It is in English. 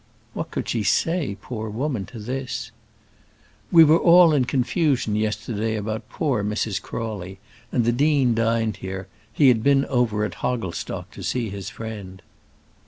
What could she say, poor woman, to this? "We were all in confusion yesterday about poor Mrs. Crawley, and the dean dined here; he had been over at Hogglestock to see his friend."